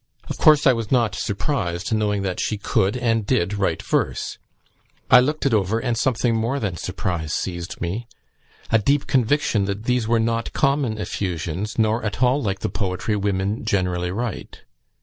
Of course, I was not surprised, knowing that she could and did write verse: I looked it over, and something more than surprise seized me a deep conviction that these were not common effusions, nor at all like the poetry women generally write.